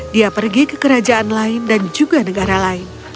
dia pergi ke kerajaan lain dan juga negara lain